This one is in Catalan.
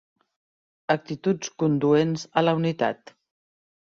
Actituds conduents a la unitat.